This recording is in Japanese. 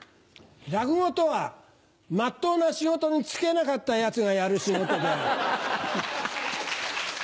落語とはまっとうな仕事に就けなかったヤツがやる仕事である。